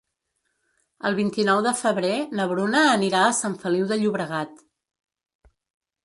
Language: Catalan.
El vint-i-nou de febrer na Bruna anirà a Sant Feliu de Llobregat.